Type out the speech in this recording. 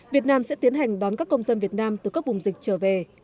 việt nam sẽ tiến hành đón các công dân việt nam từ các vùng dịch trở về